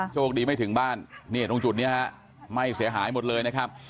โชคดีไม่ถึงบ้านเนี่ยตรงจุดนี้ฮะไหม้เสียหายหมดเลยนะครับ